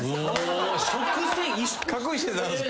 隠してたんですか！？